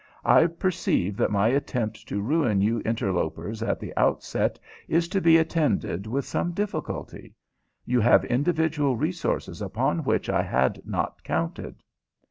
"I perceive that my attempt to ruin you interlopers at the outset is to be attended with some difficulty. You have individual resources upon which I had not counted."